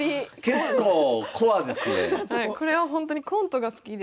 結構これはほんとにコントが好きで。